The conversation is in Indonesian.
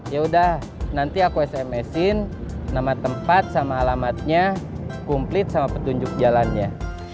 yaudah nanti aku sms in nama tempat sama alamatnya kumplit sama petunjuk jalannya